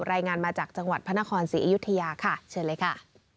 รายงานมาจากจังหวัดพระนครศรีอยุธยาค่ะเชิญเลยค่ะ